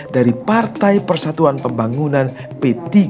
dari partai persatuan pembangunan p tiga